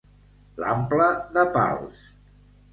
L'ample de Pals.